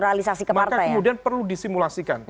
maka kemudian perlu disimulasikan